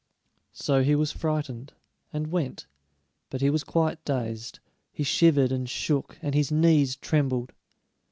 So he was frightened, and went; but he was quite dazed. He shivered and shook, and his knees trembled.